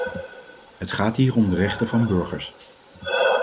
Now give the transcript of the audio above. Het gaat hier om de rechten van burgers.